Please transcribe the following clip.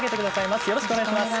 よろしくお願いします。